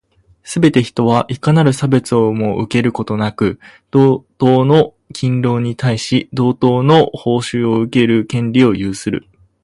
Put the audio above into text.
すべて人は、いかなる差別をも受けることなく、同等の勤労に対し、同等の報酬を受ける権利を有する。